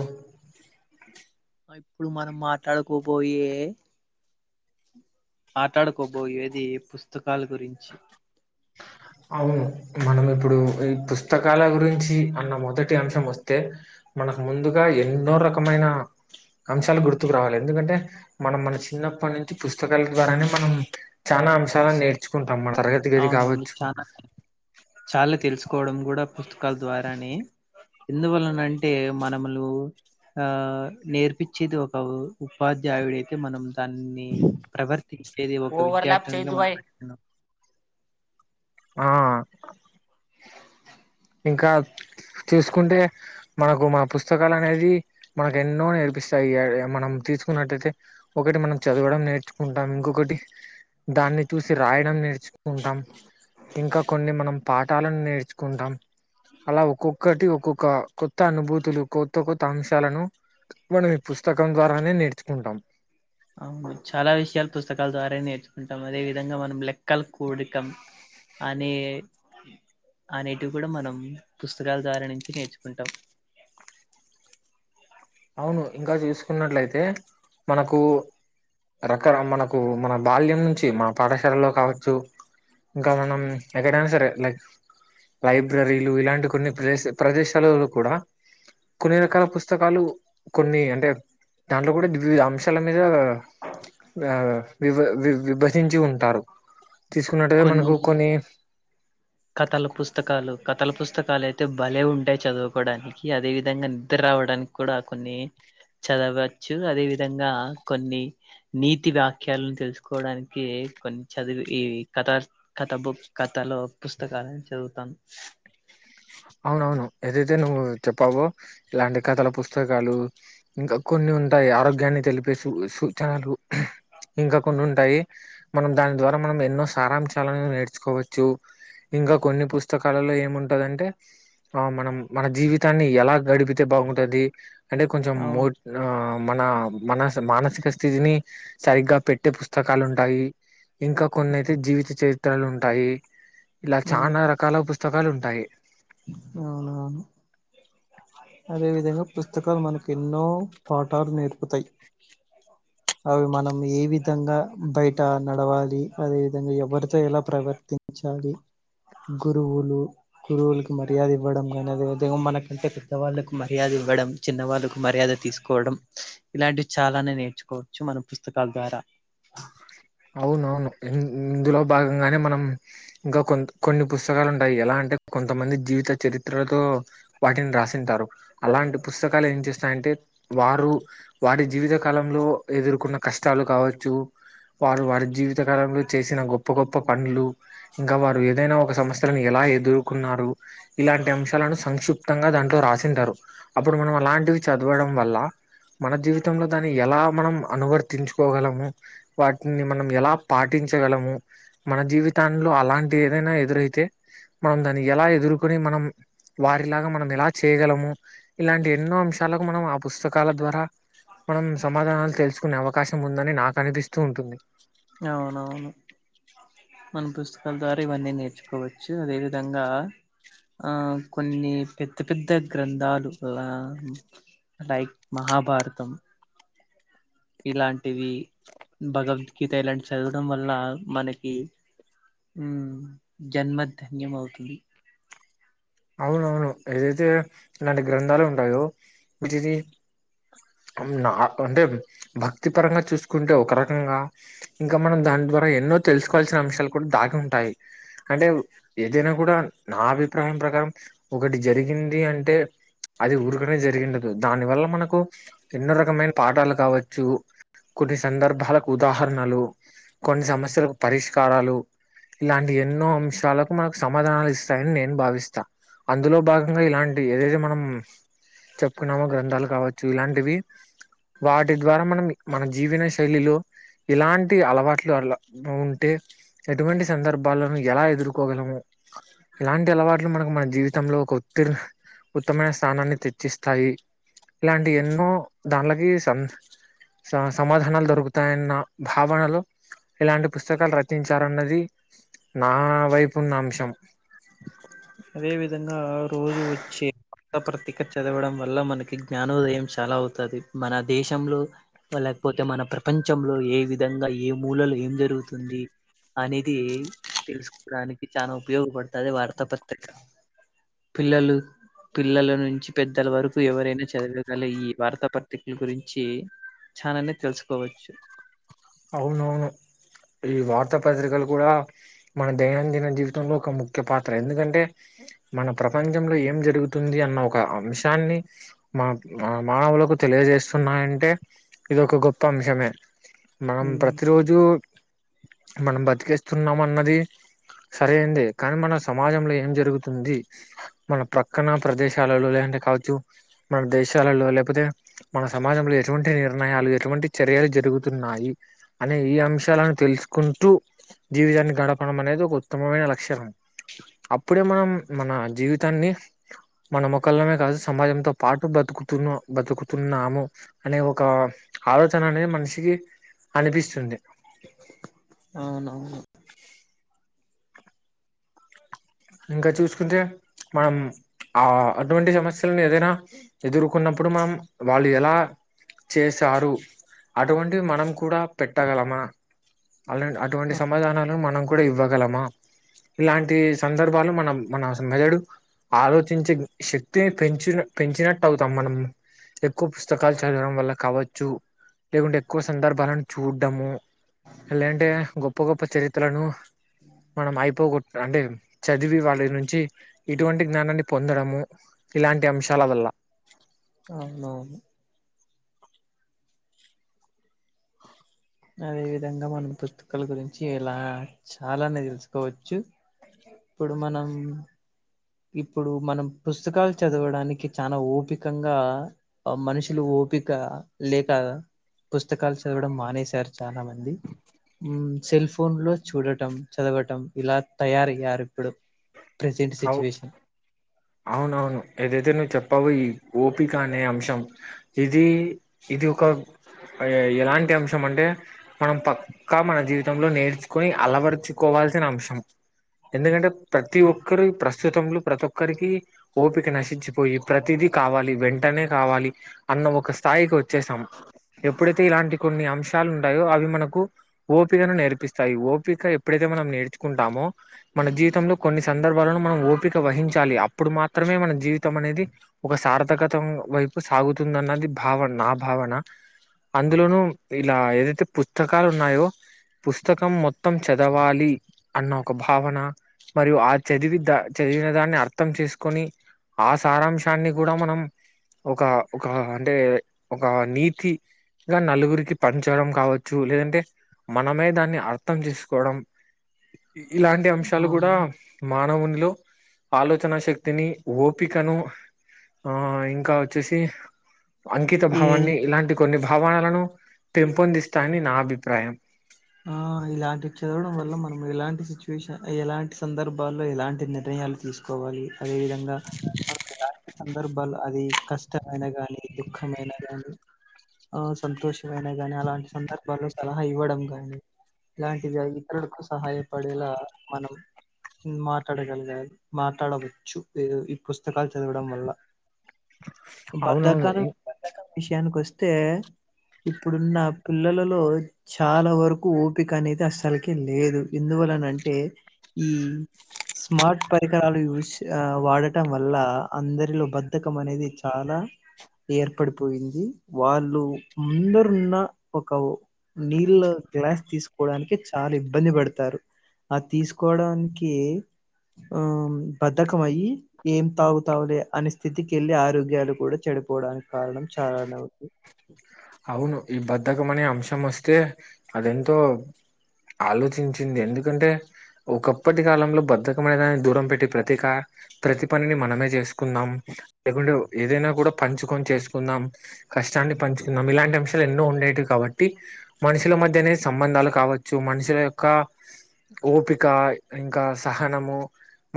ఆఓ ఆ ఇప్పుడు మనం మాట్లాడుకోబోయే మాట్లాడుకోబోయేది పుస్తకాల గురించి అవును మనం ఇప్పుడు ఈ పుస్తకాల గురించి అన్న మొదటి అంశం వస్తే మనకు ముందుగా ఎన్నో రకమైన అంశాలు గుర్తుకు రావాలి ఎందుకంటే మనం మన చిన్నప్పటి నుంచి పుస్తకాల ద్వారానే మనం చాలా అంశాలను నేర్చుకు మన తరగతి గది అవునవును కావచ్చు చాలా చాలా తెలుసుకోవడం కూడా పుస్తకాల ద్వారానే ఎందువలన అంటే మనములు ఆ నేర్పిచ్చేది ఒక ఉపాధ్యాయుడ అయితే మనం దాన్ని ప్రవర్తించేది ఒక విద్యార్థినిగా మనం ఓవై నడుస్తున్నాం [unintelligible] ఆ ఇంకా తీసుకుంటే మనకు మా పుస్తకాలు అనేది మనకు ఎన్నో నేర్పిస్తాయి ఇగ మనం తీసుకున్నట్టయితే ఒకటి మనం చదవడం నేర్చుకుంటాం ఇంకొకటి దాన్ని చూసి రాయడం నేర్చుకుంటాం ఇంకా కొన్ని మనం పాఠాలను నేర్చుకుంటాం అలా ఒక్కొక్కటి ఒక్కొక్క కొత్త అనుభూతులు కొత్త కొత్త అంశాలను మనం ఈ పుస్తకం ద్వారానే నేర్చుకుంటాం అవును చాలా విషయాలు పుస్తకాల ద్వారా నేర్చు ఉంటాం అదే విధంగా మనం లెక్కలు కూడకం అనే అనేటివి కూడా మనం పుస్తకాల ద్వారా నుంచి నేర్చుకుంటాం అవును ఇంకా చూసుకున్నట్లయితే మనకు రకర మనకు మన బాల్యం నుంచి మా పాఠశాలలో కావచ్చు ఇంకా మనం ఎక్కడైనా సరే లైక్ లైబ్రరీలు ఇలాంటి కొన్ని ప్రదేశ ప్రదేశాలలో కూడా కొన్ని రకాల పుస్తకాలు కొన్ని అంటే దాంట్లో కూడా విద్ అంశాల మీద ఆ విభ వి విభజించి ఉంటారు తీసుకున్నట్టుగా మనకు కొన్ని కథల పుస్తకాలు కథల పుస్తకాలే అయితే బలే ఉంటాయి చదువుకోవడానికి అదే విధంగా నిద్ర రావడానికి కూడా కొన్ని చదవచ్చు అదే విధంగా కొన్ని నీతి వ్యాఖ్యాలను తెలుసుకోవడానికి కొన్ని చదివి ఈ కథ స్ కథ బుక్ కథలో పుస్తకాలని చదువుతాను అవునవును ఏదైతే నువ్వు చెప్పావో ఇలాంటి కథల పుస్తకాలు ఇంకా కొన్ని ఉంటాయి ఆరోగ్యాన్ని తెలిపే సూ సూచనలు ఇంకా కొన్ని ఉంటాయి మనం దాని ద్వారా మనం ఎన్నో సారాంశాలను నేర్చుకోవచ్చు ఇంకా కొన్ని పుస్తకాలలో ఏముంటదంటే ఆ మనం మన జీవితాన్ని ఎలా గడిపితే బాగుంటది అంటే కొంచెం మో అవును ఆ మన మన మానసిక స్థితిని సరిగ్గా పెట్టే పుస్తకాలు ఉంటాయి ఇంకా కొన్నైతే జీవిత చరిత్రలు ఉంటాయి ఇలా చనా రకాల పుస్తకాలు ఉంటాయి అవునా అదే విధంగా పుస్తకాలు మనకు ఎన్నో పాఠాలు నేర్పుతాయి అవి మనం ఏ విధంగా బయట నడవాలి అదే విధంగా ఎవరితో ఎలా ప్రవర్ తించాలి గురువులు గురువులకి మర్యాద ఇవ్వడం కానీ అదే విధంగా మనకంటే పెద్ద వాళ్ళలకు మర్యాద ఇవ్వడం చిన్న వాళ్ళలకు మర్యాద తీసుకోవడం ఇలాంటివి చాలానే నేర్చుకోవచ్చు మ న పుస్తకాల ద్వారా అవునవును ఇందులో భాగంగానే మనం ఇంకా కొన్ కొన్ని పుస్తకాలు ఉంటాయి ఎలాం టే కొంతమంది జీవిత చరిత్రలతో వాటిని రాసింటారు అలాంటి పుస్తకాలు ఏం చేస్ సంటే వారు వారి జీవితకాలంలో ఎదుర్కొన్న కష్టాలు కావచ్చు వారు వారి జీవితకాలంలో చేసిన గొప్ప గొప్ప పనులు ఇంకా వారు ఏదైనా ఒక సమస్యలను ఎలా ఎదుర్కున్నారు ఇలాంటి అంశాలను సంక్షిప్తంగా దాట్లో రాసింటారు అప్పుడు మనం అలాంటివి చద్ చదవడం వల్ల మన జీవితంలో దాన్ని ఎలా మనం అనువర్తించుకోగలము వాటిని మనం ఎలా పాటించగలము మన జీవితాంలో అలాంటి ఏదైనా ఎదురైతే మనం దాన్ని ఎలా ఎదుర్కొని మనం వారిలాగా మనం ఎలా చేయగలము ఇలాంటి ఎన్నో అంశ్ శాలకు మనం ఆ పుస్తకాల ద్వారా మనం సమాధానాలు తెలుసుకునే అవకాశం ఉందని నాకనిపిస్తూ ఉంటుంది అవునవును మనం పుస్తకాల ద్వారా ఇవన్నీ నేర్చుకోవచ్చు అదే విధంగా ఆ కొన్ని పెద్ద పెద్ద గ్రంథాలు అలా లైక్ మహాభారతం ఇలాంటివి భగవద్గీత ఇలాంటివి చదవడం వల్ల మనకి మ్ జన్మధన్యమౌతది అవునవును ఏదైతే ఇలాంటి గ్రంథాలు ఉంటాయో విటిని నా అంటే భక్తి పరంగా చూసుకుంటే ఒక రకంగా ఇంకా మనం దాన్ ద్వారా ఎన్నో తెలుసుకోవాల్సిన అంశాలు కూడా దాగి ఉంటాయి అంటే ఏదైనా కూడా నా అభిప్రాయం ప్రకారం ఒకటి జరిగింది అంటే అది ఊరుకనే జరిగిండదు దాని వల్ల మనకు ఎన్నో రకమైన పాఠాలు కావచ్చు కొన్ని సందర్భాలకు ఉదాహరణలు కొన్ని సమస్యలకు పరిష్కారాలు. ఇలాంటి ఎన్నో అంశాలకు మనకు సమాధానాలు ఇస్తాయని నేను భావిస్ చ అందులో భాగంగా ఇలాంటి ఏదైతే మనం చెప్పుకున్నామో గ్రంథాలు కావచ్చు ఇలాంటివి. వాటి ద్వారా మనమి మన జీవన శైలిలో ఇలాంటి అలవాట్లు అలా ఉంటే ఎటువంటి సందర్భాలను ఎలా ఎదుర్కోగలము. ఇలాంటి అలవాట్ ఇగ మనకు మన జీవితంలో ఒక ఉత్తీర్ణ ఉత్తమైన స్థానాన్ని తెచ్చిస్తాయి. ఇలాంటి ఎన్నో దాంట్లకి సన్ స సమాధానాలు దొరుకుతాయన్న భావనలో ఇలాంటి పుస్తకాలు రచించారన్నది. నా వైపు ఉన్న అంశం అదే విధంగా రోజు వచ్చి గ పత్రిక చదవడం వల్ల మనకి జ్ఞానోదయం చాలా అవుతది మన దేశంలో వాళ్ళ లేకపోతే మన ప్రపంచంలో ఏ విధంగా ఏ మూలలు ఏం జరుగుతుంది అనేది తెలుసుకోవడానికి చానా ఉపయోగపడుతది వార్తా పత్రిక. పిల్లలు పిల్లల నుంచి పెద్దల వరకు ఎవరైనా చదవగల ఈ వార్తా పత్రికల గురించి చాననే తెలుసుకోవచ్చు. అవునవును ఈ వార్తా పత్రికలు కూడా మన దైనందిన జీవితంలో ఒక ముఖ్య పాత్ర ఎందుకంటే మన ప్రపంచంలో ఏం జరుగుతుంది అన్న ఒక అంశాన్ని మా మానవులకు తెలియజేస్తున్నాయంటే ఇది ఒక గొప్ప అంశమే మనం ఉమ్ ప్రతి రోజు మనం బతికేస్తున్నాం అన్నది సర అయిందే కానీ మన సమాజంలో ఏం జరుగుతుంది మన ప్రక్కన ప్రదేశాలలోలే దే కావచ్చు మన దేశాలలో లేకపోతే మన సమాజంలో ఎటువంటి నిర్ణయాలు ఎటువంటి చర్యలు జరుగుతున్నాయి అనే ఈ అంశాలను తెలుసుకుంటూ జీవితాన్ని గడపడం అనేది ఒక ఉత్తమమైన లక్షణం అప్పుడే మనం మన జీవితాన్ని మన మొఖల్లమే కాదు సమాజంతో పాటు బతుకు కుతున్న బతుకుతున్నాము అనే ఒక ఆలోచన అనేది మనిషికి అనిపిస్తుంది. అవునవును ఇంకా చూసుకుంటే మనం ఆ అటువంటి సమస్యలను ఏదైనా ఎదుర్కొన్నప్పుడు మనం వాళ్ళు ఎలా చేశారు అటువంటివి మనం కూడా పెట్టగలమా అలా అటువంటి సమాధానాలు మనం కూడా ఇవ్వగలమా ఇలాంటిస్ సందర్భాలు మనం మన అసలు మెదడు ఆలోచించే శక్తిని పెంచిన పెంచినట్టు అవుతాం మనం ఎక్కువ పుస్తకాలు చదవడం వల్ల కావచ్చు లేకుంటే ఎక్కువ సందర్భాలను చూడము. లే అంటే గొప్ప గొప్ప చరిత్రలను మనం అయిపో గొట్ అంటే చదివి వాళ్ళ నుంచి ఇటువంటి జ్ఞానాన్ని పొందడము ఇలాంటి అంశాల వల్ల అవునవును అదే విధంగా మనం పుస్తకాల గురించి ఇలా చాలానే తెలుసుకోవచ్చు. ఇప్పుడు మనం ఇప్పుడు మనం పుస్తకాలు చదవడానికి చానా ఓపికంగా మనుషులు ఓపిక లేక పుస్తకాలు చదవడం మానేశారు చానా మంది ఊ సెల్ ఫోన్ లో చూడటం చదవటం ఇలా తయారయ్యారు ఇప్పుడు ప్రెసెంట్ అవు సిట్యువేషన్ అవునవును ఏదైతే నువ్వు చెప్ పవయి ఓపిక అనే అంశం ఇది ఇది ఒక ఎలాంటి అంశం అంటే మనం పక్కా మన జీవితంలో నేర్చ్ కొని అలవరుచుకోవాల్సిన అంశం ఎందుకంటే ప్రతి ఒక్ ప్రస్తుతంలో ప్రతి ఒక్కరికి ఓపిక నశించిపోయి ప్రతిదీ కావాలి వెంటనే కావాలి అన్న ఒక స్థాయికి వచ్చేసాం ఎప్పుడైతే ఇలాంటి కొన్ని అంశాలు ఉంటాయో అవి మనకు ఓపికను నేర్పిస్తాయి ఓపిక ఎప్పుడై అంటె మనం నేర్చుకుంటాము మన జీవితంలో కొన్ని స సందర్భాలను మనం ఓపిక వహించాలి అప్పుడు మాత్రమే మన జీవితం అనేది ఒక సార్థకతం వై కు సాగుతుందన్నది భావన నా భావన అందులోను ఇలా ఏదైతే పుస్తకాలు ఉన్నాయో పుస్తకం మొత్తం చదవాలి అన్న ఒక భావన మరియు ఆ చదివిద్దా చదివిన దాన్ని అర్థం చేసుకొని ఆ సారాంశాన్ని కూడా మనం ఒక ఒక అంటే ఒక నీతి ఇం నలుగురికి పనిచయడం కావచ్చు లేదంటే మనమే దాన్ని అర్థం చేసుకోవడం ఇలాంటి అంశాలు అవును కూడా మానవులో ఆలోచన శక్తిని ఓపికను ఆ ఇంకా వచ్చేసి అంకిత ఏ భావాన్ని ఇలాంటి కొన్ని భావలను పెంపొందిస్తాయని నా అభిప్రాయం ఆ ఇలాంటి చదవడం వల్ల మనం ఎలాంటి సిచ్యువేషన్ ఎలాంటి సందర్భాల్లో ఎలాంటి నిర్ణ యాలు తీసుకోవాలి అదే విధంగా సందర్భాలు అది కష్టమైన గాని దుఃఖమైన గాని ఆ సంతోషమైన గాని అలాంటి సందర్భరాల్లో సలహా ఇవ్వడం గా ఇలాంటివి ఇతరులకు సహాయపడేలా మనం మాట్లాడగలగాలి మాట్లాడవచ్చు ఈ పుస్తకాలు చదవడం వల్ల అవునవును ఇ విషయానికి వస్తే ఇప్పుడున్న పిల్లలలో చాలా వర ఓపిక అనేది అసలకి లేదు ఎందువలనంటే ఈ స్మార్ట్ పరికరాలు యూజ్ వాడటం వల్ల అందరిలో బద్ధకం అనేది చాలా ఏర్పడిపోయింది వాళ్ళు అందరున్న ఒక నీల్ గ్లాస్ తీసుకోవడానికి చాలా ఇబ్బంది పడతారు ఆ తీసుకోవడానికి ఆ బద్ధకం అయ్యి ఏం తాగుతావులే అనే స్థితికి వెళ్ళి ఆరోగ్యాలు కూడా చె డిపోవడానికి కారణం చాలానే ఉంది అవును ఈ బద్ధకం అనే అంశం వస్తే అదెంతో ఆలోచించింది ఎందుకంటే ఒకొప్పటి కాలంలో బద్ధకమైన దూరం పెట్టి ప్రతికా ప్రతి పనిని మనమే చేసుకుందాం లేకుంటే ఏదైనా కూడా పంచుకొని చేసుకుందాం కష్టాన్ని పంచు తన్నాం ఇలాంటి అంశాలు ఎన్నో ఉండేటివి కాబట్టి మనుషుల మధ్య అనే సంబంధాలు కావచ్చు మనుషుల యొక్క ఓపిక ఇంకా సహనము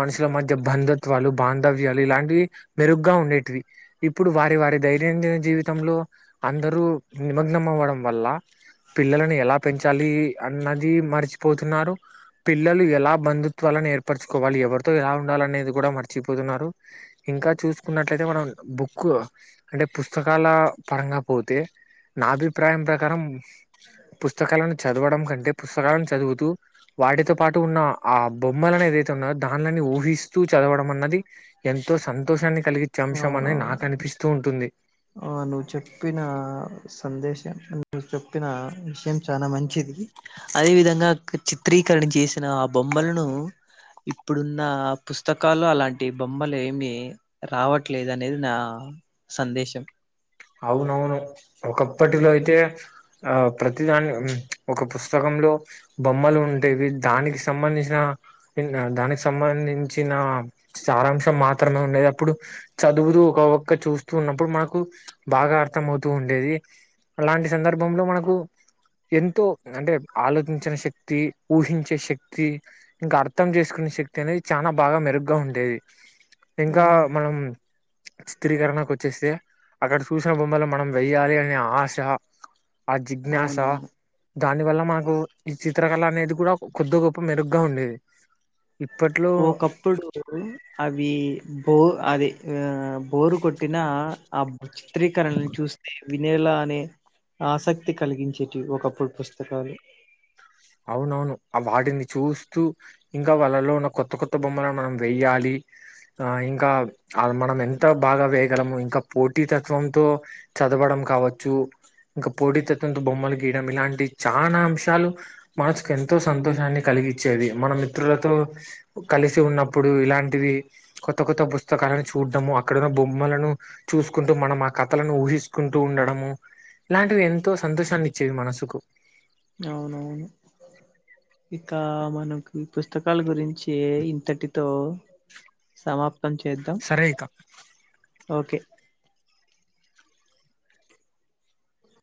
మనుషుల మధ్య బంధుత్వాలు బాంధవ్యాలు ఇలాంటివి మెరుగ్గా ఉండేటివి ఇప్పుడు వారి వారి దైైనందిన జీవితంలో అందరూ నిమగ్నం అవ్వడం వల్ల పిల్లలను ఎలా పెంచాలి అన్నది మర్చిపోతున్నారు పిల్లలు ఎలా బంధుత్వాలను ఏర్పచువాలి ఎవరితో ఎలా ఉండా లనేది కూడా మర్చిపోతున్నారు ఇంకా చూసుకున్నట్ల తే మనం బుక్ అంటే పుస్తకాల పరంగా పోతే నాభిప్రాయం ప్రకారంం పుస్తకాలను చదవడం కంటే పుస్తకాలను చదువుతూ వాటితో పాటు ఉన్న ఆ బొమ్మలనేది ఏతే ఉన్నో దానిలని ఊహిస్తూ చదవడం అన్నది ఎంతో సంతోషాన్ని కలిగిచే అంశం అనే అవునవును. నాకు అనిపిస్తూ ఉంటుంది నువ్వు చెప్పిన ఆ సందేశం చెప్పిన విషయం చాలా మంచిది అదే విధంగా చిత్రీకరణ చేసిన ఆ బొమ్మలను ఇప్పుడున్న పుస్తకాలు అలాంటి బొమ్ బొమ్మలు ఏమి రావట్లేదు అనేది నా సందేశం అవునవును ఒకప్పటిలో అయితే ఆ ప్రతిదాని ఒక పుస్తకం లో బొమ్మలు ఉండేవి దానికి సంబంధించిన దానికి సంబంధించిన సారాంశం మాత్రమే ఉండేది అప్పుడు చదువుతూ ఒక ఒక్క చూస్తూ ఉన్నప్పుడు మాకు బాగా అర్థంమవుతూ ఉండేది అలాంటి సందర్భంలో మనకు ఎంతో అంటే ఆలోచించిన శక్తి ఊహించే శక్తి ఇంకా అర్థం చేసుకుని శక్తి అనేది చానా బాగా మెరుగ్గా ఉండేది ఆ ఇంకా మనం చిత్రీకరణకు వచ్చేస్తే అక్కడ చూసిన బొమ్మలు మనం వెయ్యాలి అనే ఆశ ఆ జిజ్ఞాస అవునవును. దాని వల్ల మనకు ఈ చిత్రకళ అనేది కూడా కొద్దో గొప్ప మెరుగ్గా ఉండేది ఇప్పట్లో ఒకప్పుడు అవి బో అది ఆ బోరు కొట్టిన ఆ చిత్రీకరణని చూస్తే వినేలా అనే ఆసక్తి కలిగించేటివి ఒకప్పుడు పుస్తకాలు అవునవును వాటిని చూస్తూ ఇంకా వాళ్ళలో ఉన్న కొత్త కొత్త బొమ్మలు మనం వెయ్యాలి ఆ ఇంకా మనం ఎంత బాగా వేయగలము ఇంకా పోటీతత్వంతో చదవడం కావచ్చు ఇంకా పోటి తత్వంతో బొమ్మలు గీయడం ఇలాంటి చానా అంశాలు మనసుకు ఎంతో సంతోషాన్ని కలిగిచేది మన మిత్రులతో కలిసి ఉన్నప్పుడు ఇలాంటివి కొత్త కొత్త పుస్తకాలను చూడము అక్కడున్న బొమ్మలను చూసుకుంటూ మనం ఆ కథలను ఊహి కుంటూ ఉండడము ఇలాంటివి ఎంతో సంతోషాన్ని ఇచ్చేవి మనసుకు అవునవును ఇక మనకు ఇ పుస్తకాల గురించి ఇంతటితో సమాప్తం చేద్దాం సరే ఇక ఓకే